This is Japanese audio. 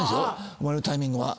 生まれるタイミングは。